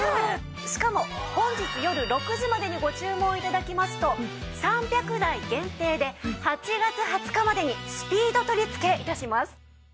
しかも本日よる６時までにご注文頂きますと３００台限定で８月２０日までにスピード取り付け致します。